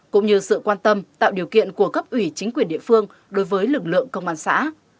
cũng như sự quan tâm tạo điều kiện của cấp ủy chính quyền địa phương đối với lực lượng công an xã